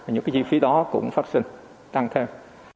những cái chi phí đó cũng phát sinh tăng theo